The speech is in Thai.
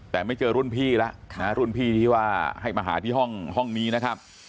แต่ไม่เจอรุ่นพี่แล้วนะรุ่นพี่ที่ว่าให้มาหาที่ห้องนี้นะครับ